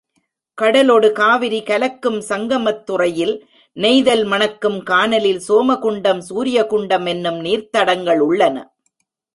கடலொடு காவிரி கலக்கும் சங்கமத்துறையில் நெய்தல் மணக்கும் கானலில் சோமகுண்டம் சூரிய குண்டம் என்னும் நீர்த்தடங்கள் உள்ளன.